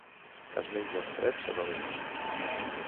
Es mengen freds o calents.